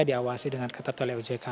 diawasi dengan ketertualian ojk